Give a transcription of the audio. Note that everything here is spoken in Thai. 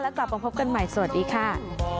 กลับมาพบกันใหม่สวัสดีค่ะ